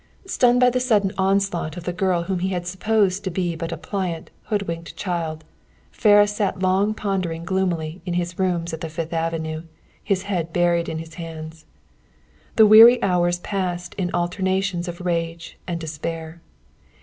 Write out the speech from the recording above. Stunned by the sudden onslaught of the girl whom he had supposed to be but a pliant, hoodwinked child, Ferris sat long pondering gloomily in his rooms at the Fifth Avenue, his head buried in his hands. The weary hours passed in alternations of rage and despair.